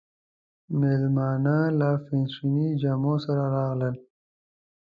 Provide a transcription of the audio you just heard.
مېلمانه له فېشني جامو سره راغلل.